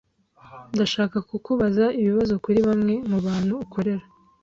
Ndashaka kukubaza ibibazo kuri bamwe mubantu ukorera.